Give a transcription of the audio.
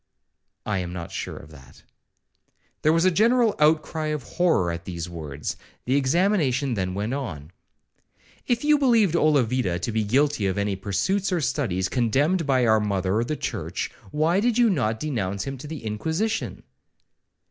'—'I am not sure of that.' There was a general outcry of horror at these words. The examination then went on. 'If you believed Olavida to be guilty of any pursuits or studies condemned by our mother the church, why did you not denounce him to the Inquisition?'